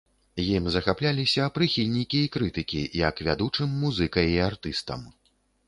Ім захапляліся прыхільнікі і крытыкі, як вядучым музыкай і артыстам.